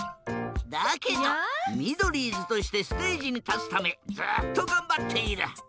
だけどミドリーズとしてステージにたつためずっとがんばっている。